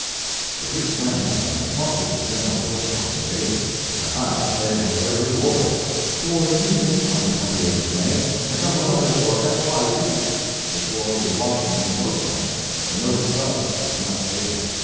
The two friends had haunted the general post office daily. At last they had their reward. Toward evening on the 20th of May, they got a letter for XYZ. It bore the Washington postmark; the note itself was not dated.